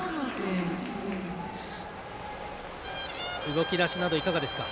動き出しなどいかがですか。